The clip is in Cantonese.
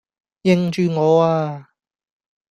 認住我呀!